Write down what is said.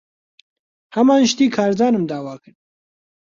ھەمان شتی کارزانم داوا کرد.